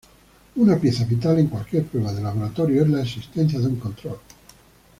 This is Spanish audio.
Una pieza vital en cualquier prueba de laboratorio es la existencia de un control.